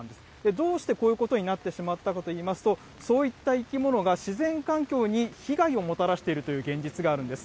どうしてこういうことになってしまったかといいますと、そういった生き物が自然環境に被害をもたらしているという現実があるんです。